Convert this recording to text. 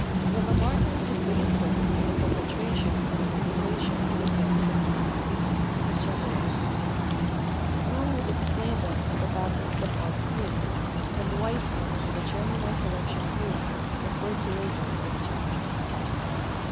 The Lamarckians would base them on the perpetuation and accumulation of the effects of use and disuse, etc.; Roux would explain them on the battle of the parts theory and Weismann on the germinal selection theory, referred to later in this chapter.